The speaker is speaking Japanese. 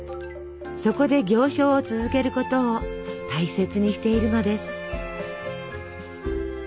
そこで行商を続けることを大切にしているのです。